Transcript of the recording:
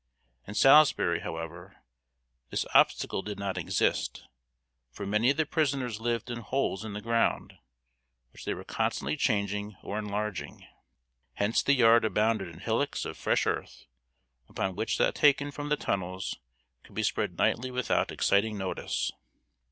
In Salisbury, however, this obstacle did not exist, for many of the prisoners lived in holes in the ground, which they were constantly changing or enlarging. Hence the yard abounded in hillocks of fresh earth, upon which that taken from the tunnels could be spread nightly without exciting notice.